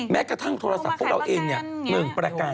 แม้กระทั่งโทรศัพท์พวกเราเอง๑ประการ